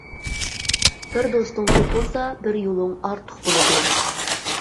بىر دوستۇڭ كۆپ بولسا، بىر يولۇڭ ئارتۇق بولىدۇ.